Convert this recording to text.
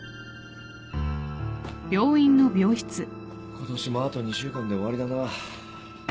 今年もあと２週間で終わりだな。